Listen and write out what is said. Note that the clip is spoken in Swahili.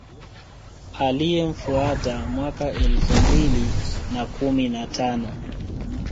Aliyemfuata mwaka elfu mbili na kumi na tano